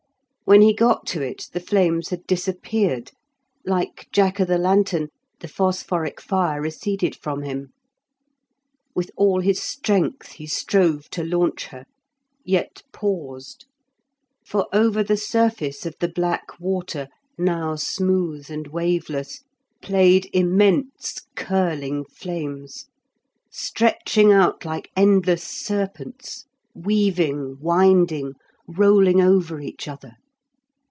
When he got to it the flames had disappeared; like Jack o' the lantern, the phosphoric fire receded from him. With all his strength he strove to launch her, yet paused, for over the surface of the black water, now smooth and waveless, played immense curling flames, stretching out like endless serpents, weaving, winding, rolling over each other.